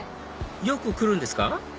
よく来るんですか？